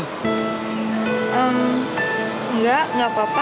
hmm enggak enggak apa apa